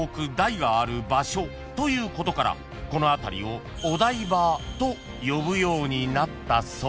［ということからこの辺りをお台場と呼ぶようになったそう］